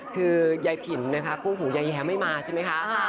คือยายผินนะครับพูดหูยายแยมให้มาใช่ไหมคะ